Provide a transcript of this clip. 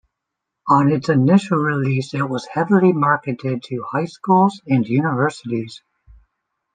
On its initial release it was heavily marketed to high schools and universities.